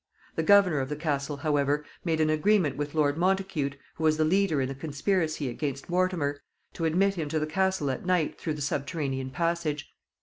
The governor of the castle, however, made an agreement with Lord Montacute, who was the leader in the conspiracy against Mortimer, to admit him to the castle at night through the subterranean passage.